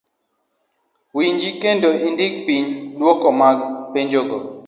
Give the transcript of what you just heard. winji kendo indik piny duoko mag penjogo.